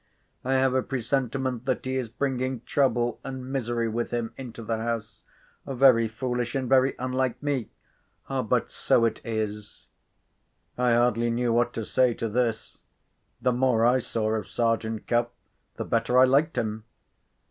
I have a presentiment that he is bringing trouble and misery with him into the house. Very foolish, and very unlike me—but so it is." I hardly knew what to say to this. The more I saw of Sergeant Cuff, the better I liked him.